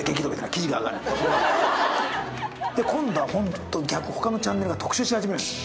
今度は他のチャンネルが特集し始めるんです。